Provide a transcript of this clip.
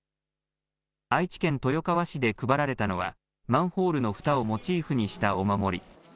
愛知県豊川市で配られたのはマンホールのふたをモチーフにしたお守り。